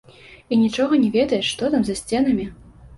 І нічога не ведаеш, што там, за сценамі!